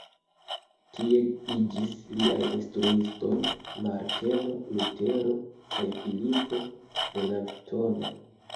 Tie iĝis liaj instruistoj Marteno Lutero kaj Filipo Melanktono.